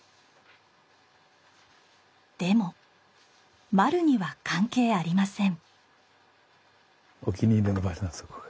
でもまるには関係ありません。